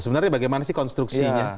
sebenarnya bagaimana sih konstruksinya